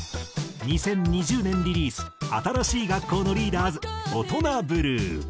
２０２０年リリース新しい学校のリーダーズ『オトナブルー』。